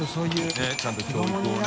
ねぇちゃんと教育をね。